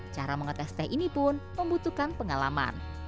cara mengetes teh ini pun membutuhkan pengalaman